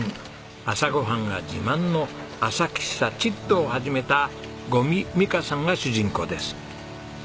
朝ごはんが自慢の朝喫茶ちっとを始めた五味美香さんが主人公です。